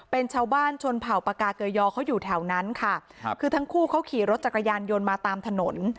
เป็นชาวบ้านชนเผ่าปากาเกยอเขาอยู่แถวนั้นค่ะครับคือทั้งคู่เขาขี่รถจักรยานยนต์มาตามถนน